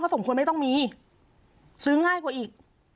สมควรไม่ต้องมีซื้อง่ายกว่าอีก